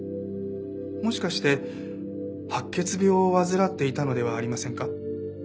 もしかして白血病を患っていたのではありませんか？